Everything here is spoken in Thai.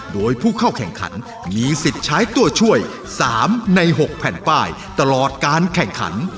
โดยผู้เข้าแข่งขันมีสิทธิ์ใช้ตัวช่วย๓ใน๖แผ่นป้ายตลอดการแข่งขัน